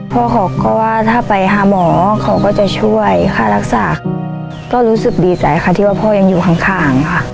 พ่อเขาก็ว่าถ้าไปหาหมอเขาก็จะช่วยค่ารักษาก็รู้สึกดีใจค่ะที่ว่าพ่อยังอยู่ข้างค่ะ